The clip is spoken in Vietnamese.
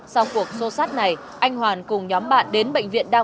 sau cuộc xô sát này anh hoàn cùng nhóm bạn đến bệnh viện đa khoa